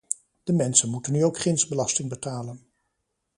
De mensen moeten nu ook ginds belasting betalen.